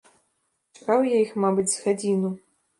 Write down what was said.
Чакаў я іх, мабыць, з гадзіну.